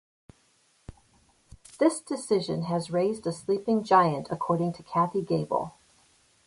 This decision has "raised a sleeping giant" according to Kathy Gable.